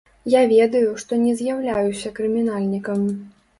Я ведаю, што не з'яўляюся крымінальнікам.